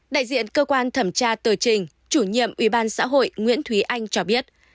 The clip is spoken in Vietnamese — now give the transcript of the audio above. đại diện cơ quan thẩm tra tờ trình chủ nhiệm ubnd nguyễn thúy anh cho biết